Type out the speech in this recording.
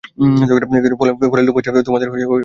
ফলের লোভ যে আছে আমাদের, তোমার না থাকতে পারে।